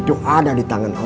itu ada di tangan